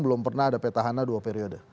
belum pernah ada petahana dua periode